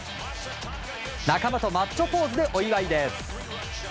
仲間とマッチョポーズでお祝いです。